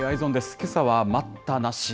けさは待ったなし！